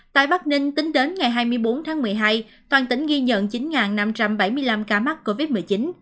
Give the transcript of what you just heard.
tại bắc ninh tính đến ngày hai mươi bốn tháng một mươi hai toàn tỉnh ghi nhận chín năm trăm bảy mươi năm ca mắc covid một mươi chín